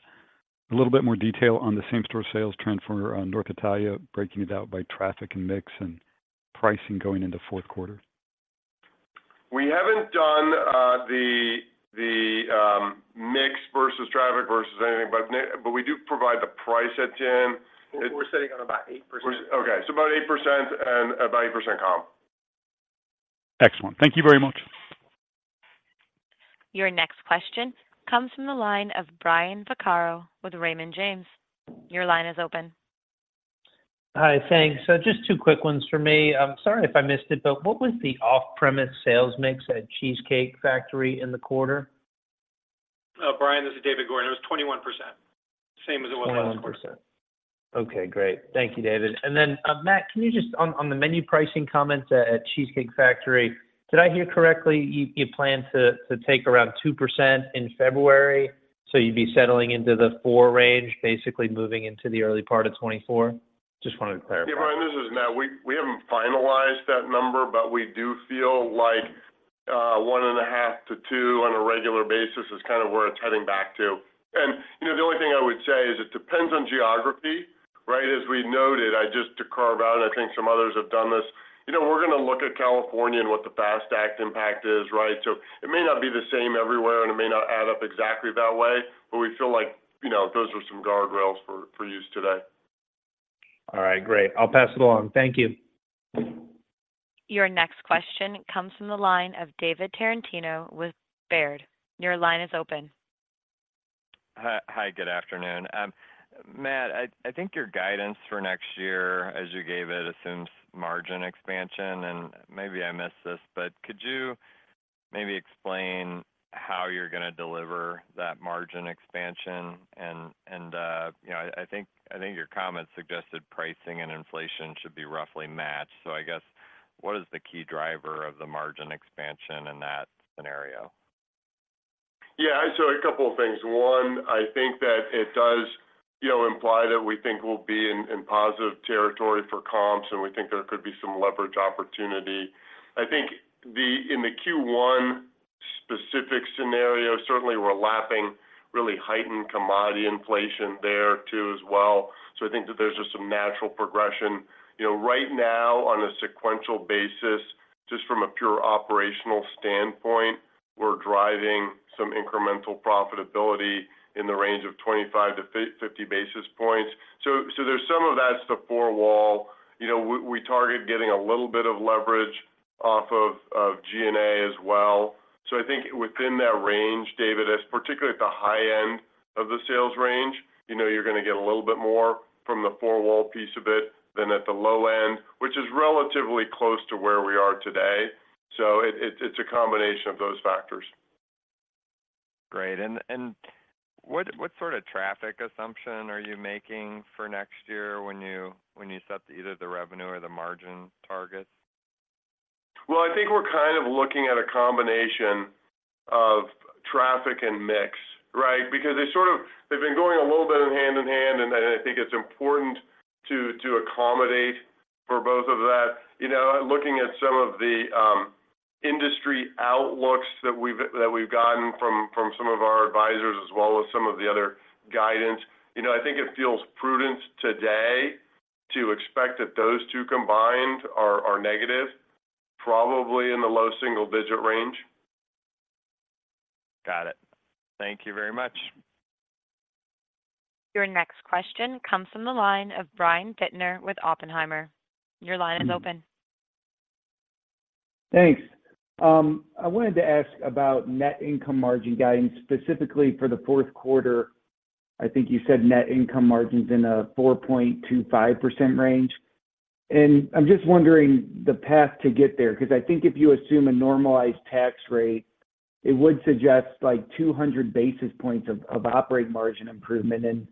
little bit more detail on the same-store sales trend for North Italia, breaking it out by traffic and mix, and pricing going into fourth quarter? We haven't done the mix versus traffic versus anything, but we do provide the price hit, Jim. We're sitting on about 8%. Okay, so about 8% and about 8% comp. Excellent. Thank you very much. Your next question comes from the line of Brian Vaccaro with Raymond James. Your line is open. Hi, thanks. So just two quick ones for me. Sorry if I missed it, but what was the off-premise sales mix at Cheesecake Factory in the quarter? Brian, this is David Gordon. It was 21%, same as it was last quarter. 21%. Okay, great. Thank you, David. And then, Matt, can you just on the menu pricing comment at Cheesecake Factory, did I hear correctly, you plan to take around 2% in February, so you'd be settling into the 4% range, basically moving into the early part of 2024? Just wanted to clarify. Yeah, Brian, this is Matt. We haven't finalized that number, but we do feel like 1.5 regular basis- two on a regular basis is kind of where it's heading back to. And, you know, the only thing I would say is it depends on geography, right? As we noted, I just to carve out, I think some others have done this. You know, we're gonna look at California and what the FAST Act impact is, right? So it may not be the same everywhere, and it may not add up exactly that way, but we feel like, you know, those are some guardrails for use today. All right, great. I'll pass it along. Thank you. Your next question comes from the line of David Tarantino with Baird. Your line is open. Hi. Hi, good afternoon. Matt, I think your guidance for next year, as you gave it, assumes margin expansion, and maybe I missed this, but could you maybe explain how you're gonna deliver that margin expansion? And you know, I think your comments suggested pricing and inflation should be roughly matched. So I guess, what is the key driver of the margin expansion in that scenario? Yeah, so a couple of things. One, I think that it does, you know, imply that we think we'll be in, in positive territory for comps, and we think there could be some leverage opportunity. I think the... in the first quarter specific scenario, certainly we're lapping really heightened commodity inflation there too as well. So I think that there's just some natural progression. You know, right now, on a sequential basis, just from a pure operational standpoint, we're driving some incremental profitability in the range of 25 basis points to 50 basis points. So, so there's some of that's the four wall. You know, we, we target getting a little bit of leverage off of, of G&A as well. So, I think within that range, David, as particularly at the high end of the sales range, you know, you're gonna get a little bit more from the four-wall piece of it than at the low end, which is relatively close to where we are today. So, it's a combination of those factors. Great. And what sort of traffic assumption are you making for next year when you set either the revenue or the margin targets? Well, I think we're kind of looking at a combination of traffic and mix, right? Because they sort of, they've been going a little bit hand in hand, and I, I think it's important to, to accommodate for both of that. You know, looking at some of the industry outlooks that we've, that we've gotten from, from some of our advisors as well as some of the other guidance, you know, I think it feels prudent today to expect that those two combined are, are negative, probably in the low single-digit range. Got it. Thank you very much. Your next question comes from the line of Brian Bittner with Oppenheimer. Your line is open.... Thanks. I wanted to ask about net income margin guidance, specifically for the fourth quarter. I think you said net income margin's in a 4.25% range. And I'm just wondering the path to get there, 'cause I think if you assume a normalized tax rate, it would suggest, like, 200 basis points of operating margin improvement, and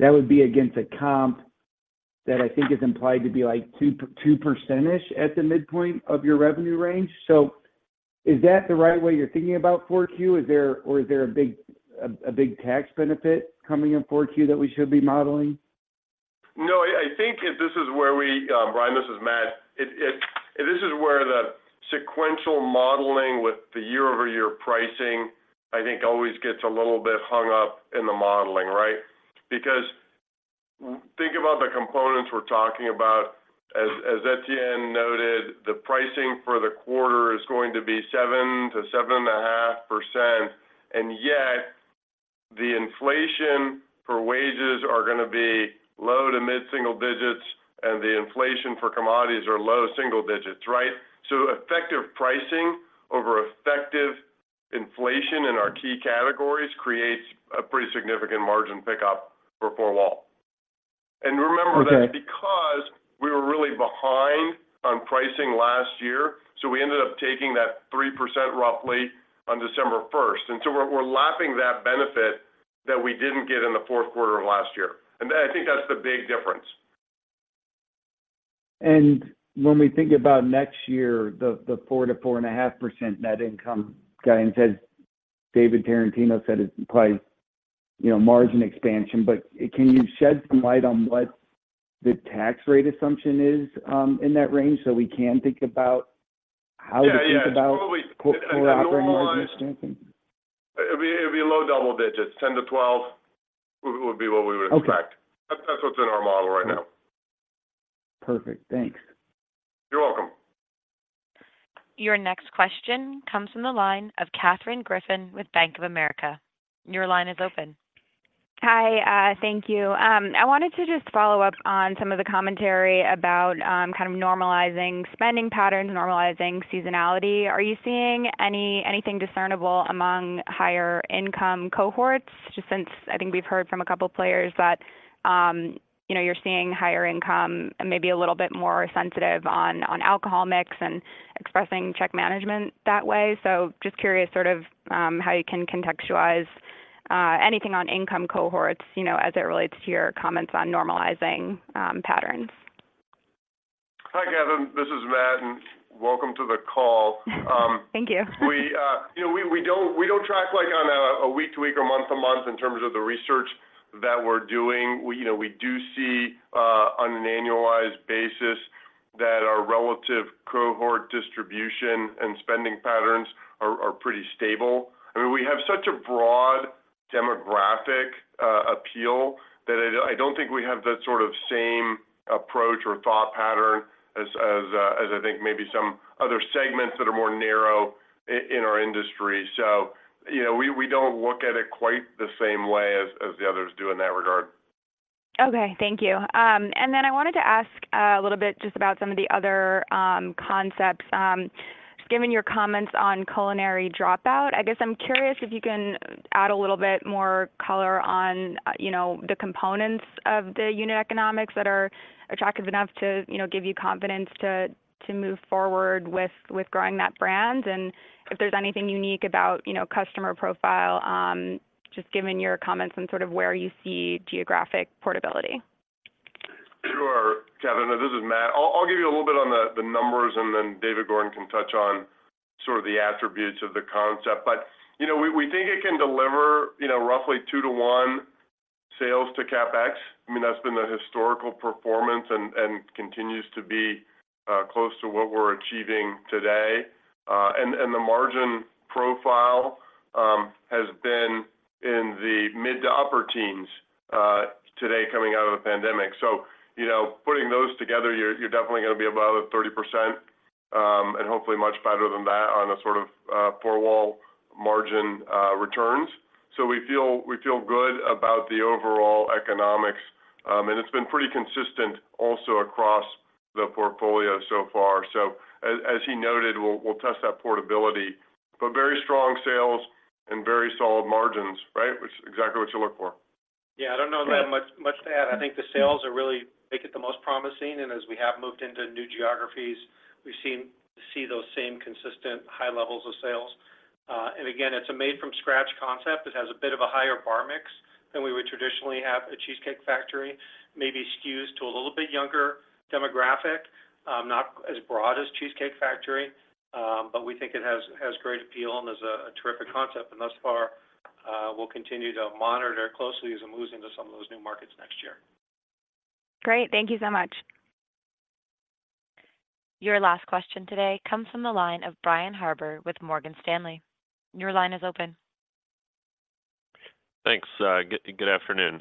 that would be against a comp that I think is implied to be, like, 2%-2% at the midpoint of your revenue range. So is that the right way you're thinking about 4Q? Is there- or is there a big tax benefit coming in 4Q that we should be modeling? No, I, I think this is where we, Brian, this is Matt. It, it, this is where the sequential modeling with the year-over-year pricing, I think, always gets a little bit hung up in the modeling, right? Because think about the components we're talking about. As we have noted, the pricing for the quarter is going to be 7%-7.5%, and yet, the inflation for wages are gonna be low to mid-single digits, and the inflation for commodities are low single digits, right? So effective pricing over effective inflation in our key categories creates a pretty significant margin pickup for four-wall. Okay. Remember that because we were really behind on pricing last year, so we ended up taking that 3% roughly on December first. So we're, we're lapping that benefit that we didn't get in the fourth quarter of last year. I, I think that's the big difference. When we think about next year, the 4%-4.5% net income guidance, as David Tarantino said, implies margin expansion, you know. But can you shed some light on what the tax rate assumption is in that range, so we can think about how to think about- Yeah, yeah - Core operating margin expansion? It'd be low double digits. 10-12 would be what we would expect. Okay. That's what's in our model right now. Perfect. Thanks. You're welcome. Your next question comes from the line of Katherine Griffin with Bank of America. Your line is open. Hi, thank you. I wanted to just follow up on some of the commentary about kind of normalizing spending patterns, normalizing seasonality. Are you seeing anything discernible among higher income cohorts? Just since I think we've heard from a couple players that, you know, you're seeing higher income and maybe a little bit more sensitive on alcohol mix and expressing check management that way. So just curious, sort of how you can contextualize anything on income cohorts, you know, as it relates to your comments on normalizing patterns. Hi, Katherine, this is Matt, and welcome to the call. Thank you. We, you know, we don't track, like, on a week to week or month to month in terms of the research that we're doing. We, you know, we do see on an annualized basis that our relative cohort distribution and spending patterns are pretty stable. I mean, we have such a broad demographic appeal that I don't think we have the sort of same approach or thought pattern as I think maybe some other segments that are more narrow in our industry. So, you know, we don't look at it quite the same way as the others do in that regard. Okay, thank you. And then I wanted to ask a little bit just about some of the other concepts. Given your comments on Culinary Dropout, I guess I'm curious if you can add a little bit more color on, you know, the components of the unit economics that are attractive enough to, you know, give you confidence to move forward with growing that brand, and if there's anything unique about, you know, customer profile, just given your comments on sort of where you see geographic portability. Sure, Katherine. This is Matt. I'll give you a little bit on the numbers, and then David Gordon can touch on sort of the attributes of the concept. You know, we think it can deliver roughly 2 to 1 to sales to CapEx. I mean, that's been the historical performance and continues to be close to what we're achieving today. The margin profile has been in the mid to upper teens today coming out of the pandemic. You know, putting those together, you're definitely gonna be above 30%, and hopefully much better than that on a sort of four-wall margin returns. We feel good about the overall economics, and it's been pretty consistent also across the portfolio so far. So as he noted, we'll test that portability. But very strong sales and very solid margins, right? Which is exactly what you look for. Yeah, I don't know that much to add. I think the sales are really make it the most promising, and as we have moved into new geographies, we've seen those same consistent high levels of sales. And again, it's a made from scratch concept. It has a bit of a higher bar mix than we would traditionally have at Cheesecake Factory. Maybe skews to a little bit younger demographic, not as broad as Cheesecake Factory, but we think it has great appeal and is a terrific concept. And thus far, we'll continue to monitor closely as we move into some of those new markets next year. Great. Thank you so much. Your last question today comes from the line of Brian Harbour with Morgan Stanley. Your line is open. Thanks, good afternoon.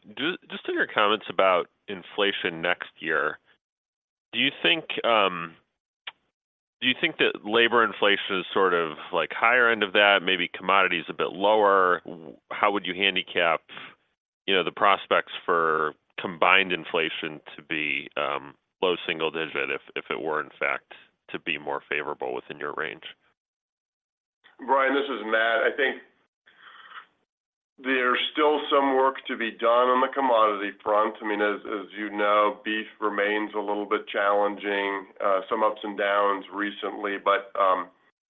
Just in your comments about inflation next year, do you think, do you think that labor inflation is sort of, like, higher end of that, maybe commodities a bit lower? How would you handicap, you know, the prospects for combined inflation to be low single digit if it were in fact to be more favorable within your range? Brian, this is Matt. I think there's still some work to be done on the commodity front. I mean, as you know, beef remains a little bit challenging, some ups and downs recently, but,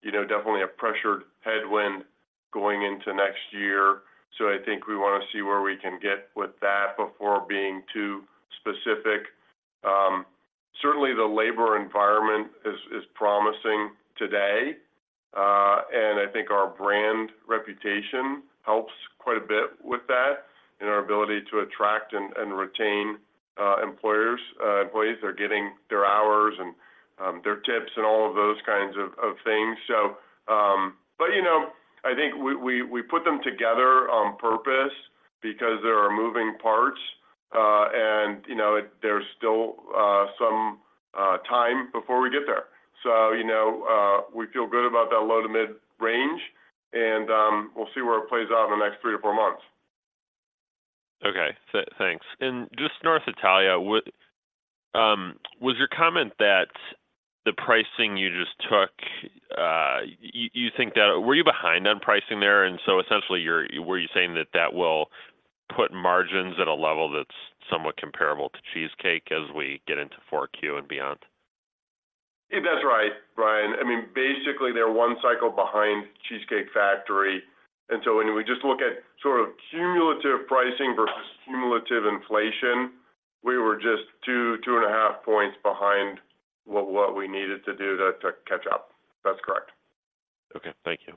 you know, definitely a pressured headwind going into next year. So I think we wanna see where we can get with that before being too specific. Certainly, the labor environment is promising today, and I think our brand reputation helps quite a bit with that in our ability to attract and retain employees. They're getting their hours and their tips and all of those kinds of things. So, but, you know, I think we put them together on purpose because there are moving parts, and, you know, there's still some time before we get there. So, you know, we feel good about that low to mid-range, and we'll see where it plays out in the next three months-four months. Okay. Thanks. And just North Italia, was your comment that the pricing you just took, you think that... Were you behind on pricing there? And so essentially, you were saying that that will put margins at a level that's somewhat comparable to Cheesecake as we get into 4Q and beyond? That's right, Brian. I mean, basically, they're one cycle behind Cheesecake Factory. And so when we just look at sort of cumulative pricing versus cumulative inflation, we were just two points-2.5 points behind what, what we needed to do to, to catch up. That's correct. Okay, thank you.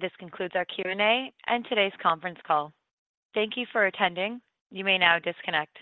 This concludes our Q&A and today's conference call. Thank you for attending. You may now disconnect.